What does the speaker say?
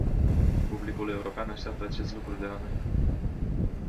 Publicul european așteaptă acest lucru de la noi.